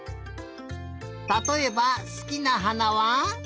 たとえばすきなはなは？